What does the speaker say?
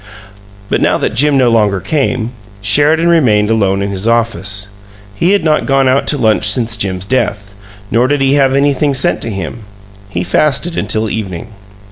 But now that Jim no longer came, Sheridan remained alone in his office; he had not gone out to lunch since Jim's death, nor did he have anything sent to him he fasted until evening.